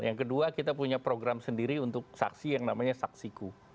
yang kedua kita punya program sendiri untuk saksi yang namanya saksiku